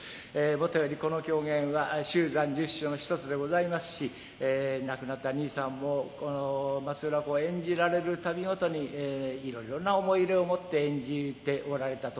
もとよりこの狂言は秀山十種の一つでございますし亡くなったにいさんもこの松浦侯を演じられる度ごとにいろいろな思い入れを持って演じておられたと存じまする。